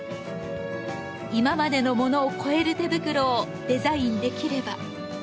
「今までのものを超える手袋をデザイン出来れば」。